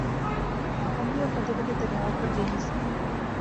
ہن وی او کیدے کیدے دریا اپر گینی سی